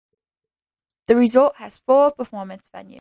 The resort has four performance venues.